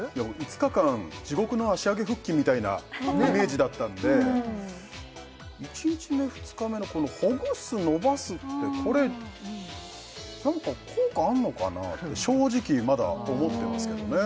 ５日間地獄の足上げ腹筋みたいなイメージだったんで１日目２日目のこのほぐすのばすってこれなんか効果あんのかなって正直まだ思ってますけどね